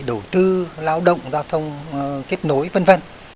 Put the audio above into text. đầu tư lao động giao thông kết nối v v